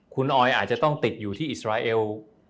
คุณออยอาจจะต้องติดอยู่ที่อิสราเอล